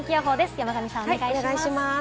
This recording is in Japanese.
山神さん、お願いします。